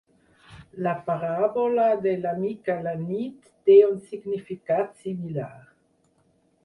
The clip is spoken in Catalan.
La paràbola de l"Amic a la nit té un significat similar.